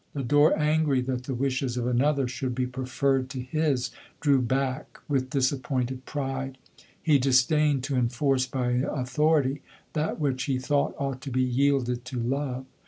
Lodore, angry that the wishes of another should be preferred to his, drew back with disappointed pride; he disdained to en force by authority, that which he thought ought to be yielded to love.